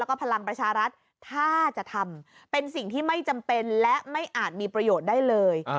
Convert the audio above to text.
แล้วก็พลังประชารัฐถ้าจะทำเป็นสิ่งที่ไม่จำเป็นและไม่อาจมีประโยชน์ได้เลย